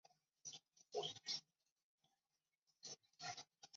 车站色调为浅绿色。